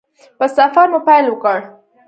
په سفر مو پیل وکړ.